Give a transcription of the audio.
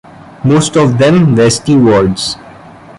Most of them were stewards.